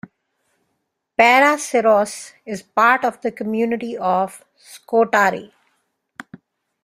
Parasyros is part of the community of Skoutari.